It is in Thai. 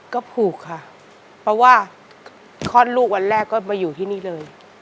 ก็ผูกค่ะเพราะว่าคลอดลูกวันแรกก็มาอยู่ที่นี่เลย